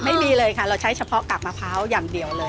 ไม่มีเลยค่ะเราใช้เฉพาะกาบมะพร้าวอย่างเดียวเลย